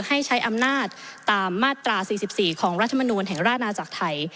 ให้ใช้อำนาจตามมาตรา๔๔ของรัฐมนูลแห่งราชนาจักรไทย